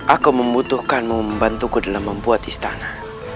aku membutuhkanmu membantuku dalam membuat istana